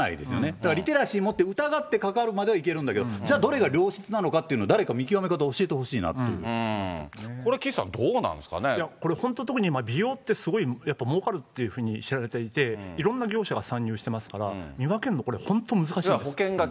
だからリテラシー持って疑ってかかるまではいけるんだけれども、じゃあどれが良質なのかっていうのは、誰か見極め方教えてほしいこれ、岸さん、どうなんですいや、これ特に、美容ってすごいやっぱもうかるっていうふうに知られていて、いろんな業者が参入していますから、見分けるの、本当に難しいです。